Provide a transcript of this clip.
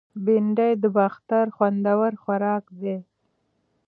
بېنډۍ د باختر خوندور خوراک دی